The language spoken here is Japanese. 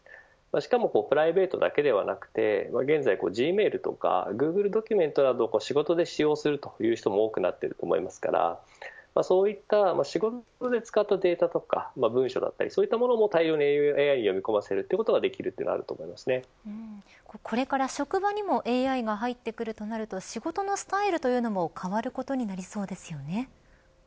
しかもプライベートだけではなく現在Ｇメールとかグーグルドキュメントなどを仕事で使用する人も多くなっていると思いますからそういった仕事で使ったデータとか文章だったりも大量にＡＩに読み込ませることがこれから職場にもＡＩが入ってくるとなると仕事のスタイルというのもそうですね